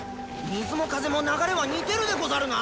水も風も流れは似てるでござるな！